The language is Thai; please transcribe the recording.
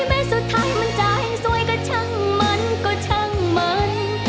แม้สุดท้ายมันจะให้สวยก็ช่างมันก็ช่างมัน